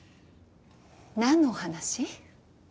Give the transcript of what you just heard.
何のお話？